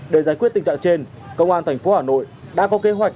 để giải quyết tình trạng trên công an thành phố hà nội đã có kế hoạch